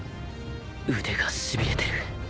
腕がしびれてる。